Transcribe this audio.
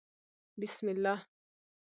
بسم الله